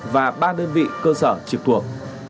và ba đơn vị cơ sở trực thuộc